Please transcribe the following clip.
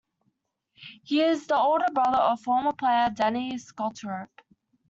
He is the older brother of former player Danny Sculthorpe.